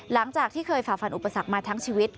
หลังจากที่เคยฝ่าฟันอุปสรรคมาทั้งชีวิต